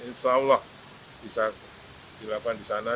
insya allah bisa dilakukan di sana